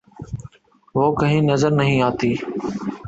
وہ کہیں نظر نہیں آتی۔